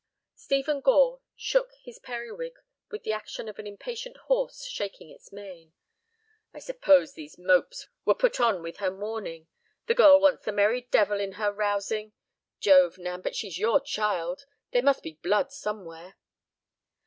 Stephen Gore shook his periwig with the action of an impatient horse shaking its mane. "I suppose these mopes were put on with her mourning. The girl wants the merry devil in her rousing. Jove, Nan, but she's your child; there must be blood somewhere."